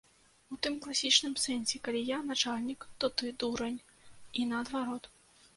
У тым класічным сэнсе, калі я начальнік, то ты дурань, і наадварот.